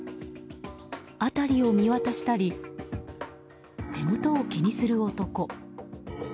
辺りを見渡したり手元を気にする男。